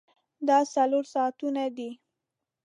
دا څلور ساعتونه دي.